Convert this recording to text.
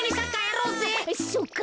そっか